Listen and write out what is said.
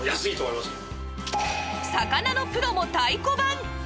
魚のプロも太鼓判！